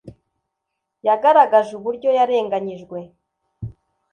yagaragaje uburyo yarenganyijwe